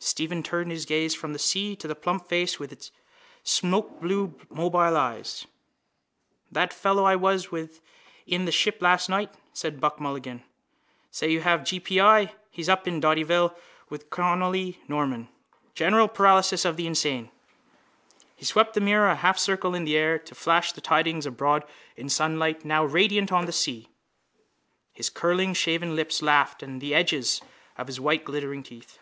Stephen turned his gaze from the sea and to the plump face with its smokeblue mobile eyes. —That fellow I was with in the Ship last night, said Buck Mulligan, says you have g. p. i. He's up in Dottyville with Connolly Norman. General paralysis of the insane! He swept the mirror a half circle in the air to flash the tidings abroad in sunlight now radiant on the sea. His curling shaven lips laughed and the edges of his white glittering teeth.